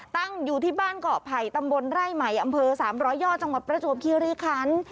ตั้งอยู่ที่บ้านเกาะไผ่ตำบลไร่ใหม่อำเภอ๓๐๐ยอดจังหวัดประจวบคิริคัน